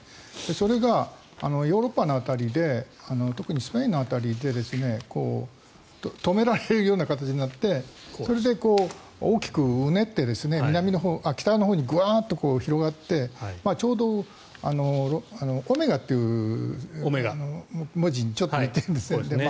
それがヨーロッパの辺りで特にスペインの辺りで止められるような形になってそれで大きくうねって北のほうにグワーンと広がってちょうどオメガっていう文字にちょっと似ているんですね。